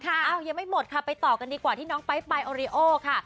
ยังไม่หมดค่ะไปต่อกันดีกว่าที่น้องไป๊บายโอริโอค่ะ